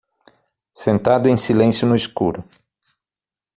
Sentado em silêncio no escuro